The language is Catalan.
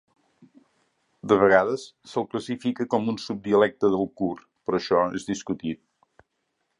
De vegades se'l classifica com un subdialecte del kurd, però això és discutit.